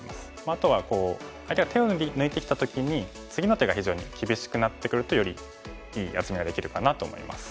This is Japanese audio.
あとは相手が手を抜いてきた時に次の手が非常に厳しくなってくるとよりいい厚みができるかなと思います。